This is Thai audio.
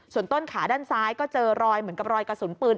ส่วนต้นขาด้านซ้ายก็เจอรอยเหมือนกับรอยกระสุนปืน